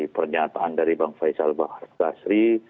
pernyataan dari bang faisal basri